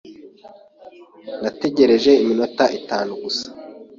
Nategereje iminota itanu gusa.